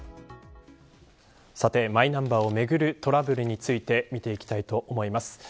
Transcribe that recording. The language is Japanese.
マイナンバーをめぐるトラブルについて見ていきたいと思います。